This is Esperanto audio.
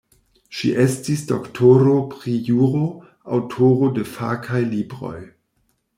Ŝi estis doktoro pri juro, aŭtoro de fakaj libroj.